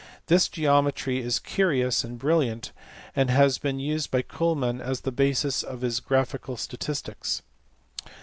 This geometry is curious and brilliant, and has been used by Culmann as the basis of his graphical statics.